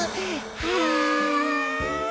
はあ。